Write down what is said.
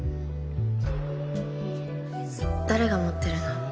誰が持ってるの？